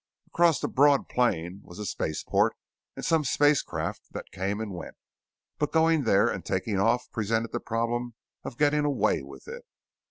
Across the broad plain was a spaceport and some spacecraft that came and went, but going there and taking off presented the problem of getting away with it.